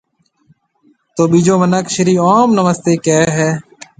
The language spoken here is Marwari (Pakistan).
تو ٻِيجو مِنک شرِي اوم نمستيَ ڪهيََ هيَ۔